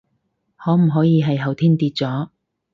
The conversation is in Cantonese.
可唔可以係後天跌咗？